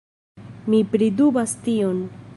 Mi pridubas tion.